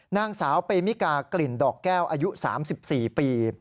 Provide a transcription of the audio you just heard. นางสาวเปมิกากลิ่นดอกแก้วอายุ๓๔ปี